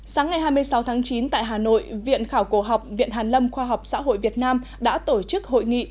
sáng ngày hai mươi sáu tháng chín tại hà nội viện khảo cổ học viện hàn lâm khoa học xã hội việt nam đã tổ chức hội nghị